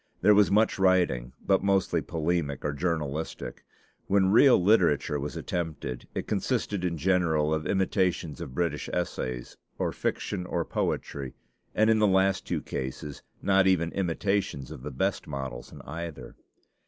There was much writing, but mostly polemic or journalistic. When real literature was attempted, it consisted in general of imitations of British essays, or fiction, or poetry; and in the last two cases not even imitations of the best models in either.